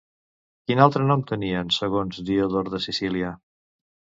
Quin altre nom tenien segons Diodor de Sicília?